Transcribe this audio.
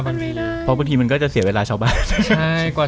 เพราะบางทีมันเกิดจะเสียเวลาชาวบ้าน